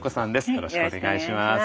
よろしくお願いします。